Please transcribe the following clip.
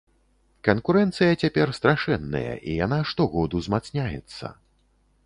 Канкурэнцыя цяпер страшэнная і яна штогод узмацняецца.